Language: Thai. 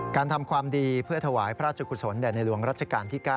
ทำความดีเพื่อถวายพระราชกุศลแด่ในหลวงรัชกาลที่๙